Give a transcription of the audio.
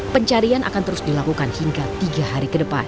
pencarian akan terus dilakukan hingga tiga hari ke depan